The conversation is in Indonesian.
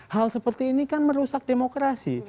hal seperti ini kan merusak demokrasi